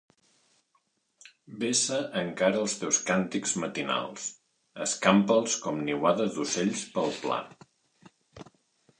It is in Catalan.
Vessa encara els teus càntics matinals; escampa'ls com niuada d'ocells pel pla.